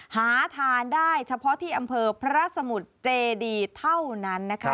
หาทานได้เฉพาะที่อำเภอพระสมุทรเจดีเท่านั้นนะคะ